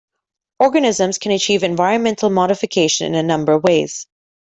Organisms can achieve environmental modification in a number of ways.